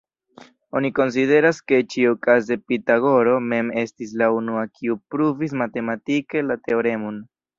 Oni konsideras ke ĉiukaze Pitagoro mem estis la unua kiu pruvis matematike la teoremon.